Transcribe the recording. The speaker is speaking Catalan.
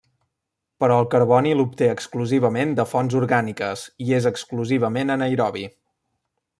Però el carboni l'obté exclusivament de fonts orgàniques i és exclusivament anaerobi.